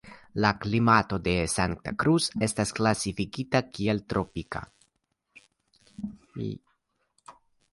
La klimato de Santa Cruz estas klasifikita kiel tropika.